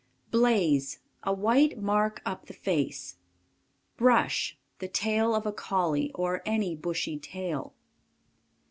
Blaze. A white mark up the face. Brush. The tail of a Collie, or any bushy tail.